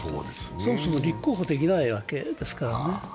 そもそも立候補できないわけですからね。